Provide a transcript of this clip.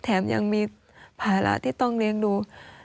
แถมยังมีภาระที่ต้องเลี้ยงดู